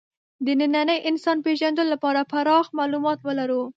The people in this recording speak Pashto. د ننني انسان پېژندلو لپاره پراخ معلومات ولرو.